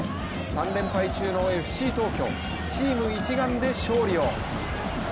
３連敗中のＦＣ東京、チーム一丸で勝利を。